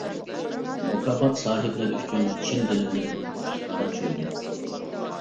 مۇكاپات ساھىبلىرى ئۈچۈن چىن دىلىمدىن خۇشلۇققا چۆمدۈم.